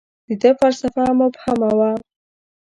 • د ده فلسفه مبهمه وه.